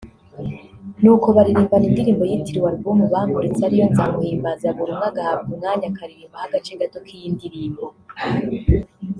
nuko baririmbana indirimbo yitiriwe album bamuritse ariyo ‘Nzamuhimbaza’ buri umwe agahabwa umwanya akaririmbaho agace gato k'iyi ndirimbo